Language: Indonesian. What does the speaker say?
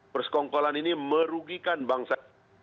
persekongkolan ini merugikan bangsa